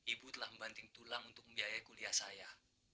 ibu telah membanting tulang untuk membiayai kuliah saya